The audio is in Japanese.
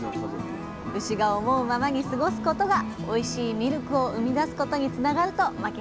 牛が思うままに過ごすことがおいしいミルクを生み出すことにつながると牧原さんは考えています